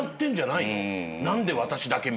「何で私だけ？」